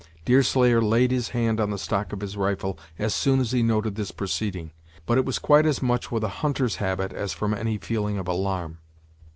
Deerslayer laid his hand on the stock of his rifle as soon as he noted this proceeding, but it was quite as much with a hunter's habit as from any feeling of alarm.